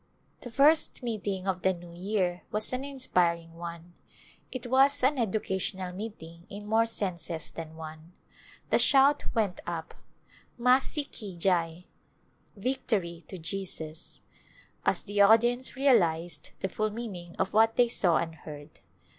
The first meeting of the new year was an inspiring one. It was an " educational meeting " in more senses than one. The shout went up, " Masih ki Return to India Jai "—" Victory to Jesus " as the audience realized the full meaning of what they saw and heard.